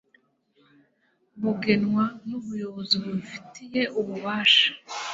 bugenwa n ubuyobozi bubifitiye ububasha